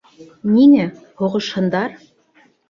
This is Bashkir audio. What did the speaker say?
Ниңә? һуғышһындар!